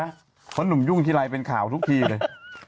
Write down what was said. เพราะหนุ่มยุ่งทีไรเป็นข่าวทุกทีเลย